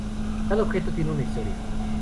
Cada objeto tiene una historia.